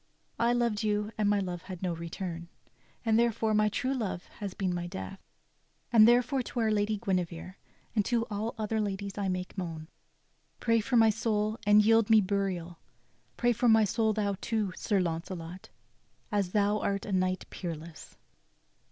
I loved you, and my love had no return, And therefore my true love has been my death. And therefore to our lady Guinevere, And to all other ladies I make moan. Pray for my soul, and yield me burial. Pray for my soul thou too. Sir Launcelot, As thou art a knight peerless."